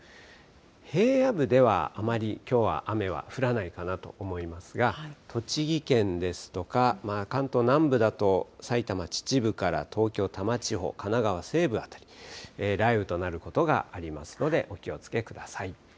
平野部ではあまりきょうは雨は降らないかなと思いますが、栃木県ですとか、関東南部だと埼玉・秩父から東京・多摩地方、神奈川西部辺り、雷雨となることがありますのでお気をつけください。